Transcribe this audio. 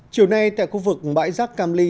chiều nay tại khu vực bãi giác cam ly